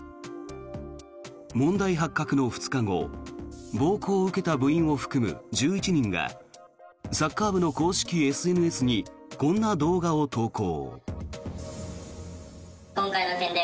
問題発覚の２日後暴行を受けた部員を含む１１人がサッカー部の公式ＳＮＳにこんな動画を投稿。